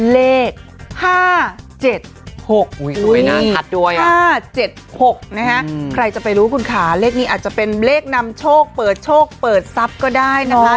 เลข๕๗๖ใครจะไปรู้คุณคะเลขนี้อาจจะเป็นเลขนำโชคเปิดโชคเปิดทรัพย์ก็ได้นะคะ